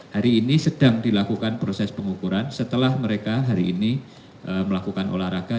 hari ini sedang dilakukan proses pengukuran setelah mereka hari ini melakukan olahraga